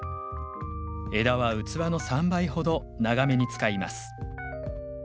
枝は器の３倍ほど長めに使います。